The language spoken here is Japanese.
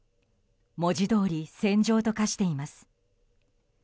文字どおり戦場と化しています。